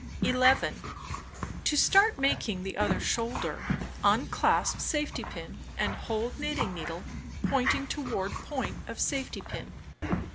11. To start making the other shoulder, unclasp safety pin and hold knitting needle pointing toward point of safety pin.